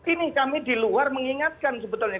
ini kami di luar mengingatkan sebetulnya